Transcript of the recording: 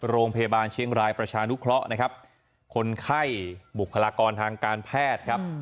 โรงพยาบาลเชียงรายประชานุเคราะห์นะครับคนไข้บุคลากรทางการแพทย์ครับ